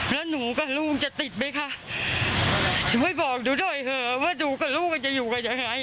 แล้วหนูกับลูกจะติดไหมคะช่วยบอกหนูหน่อยเถอะว่าหนูกับลูกมันจะอยู่กันยังไง